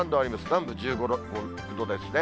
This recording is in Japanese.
南部１５、６度ですね。